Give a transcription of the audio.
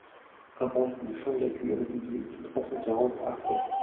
Impasse du Champ de la Cure, dix-huit, trois cent quarante Arçay